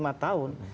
masa lima tahun